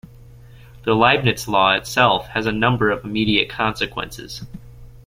The Leibniz law itself has a number of immediate consequences.